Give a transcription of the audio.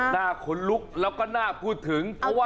หน้าขนลุกแล้วก็น่าพูดถึงเพราะว่า